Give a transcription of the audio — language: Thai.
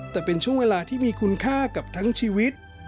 แต่เป็นช่วงเวลาที่มีคุณค่ากับทั้งชีวิต